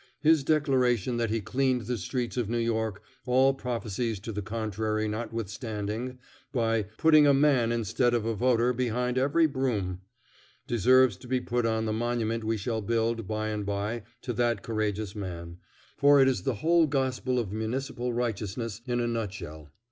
His declaration that he cleaned the streets of New York, all prophecies to the contrary notwithstanding, by "putting a man instead of a voter behind every broom," deserves to be put on the monument we shall build by and by to that courageous man, for it is the whole gospel of municipal righteousness in a nutshell.